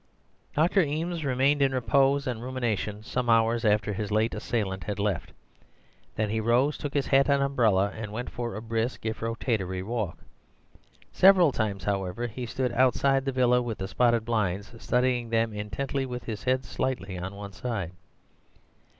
"Dr. Eames remained in repose and rumination some hours after his late assailant had left. Then he rose, took his hat and umbrella, and went for a brisk if rotatory walk. Several times, however, he stood outside the villa with the spotted blinds, studying them intently with his head slightly on one side.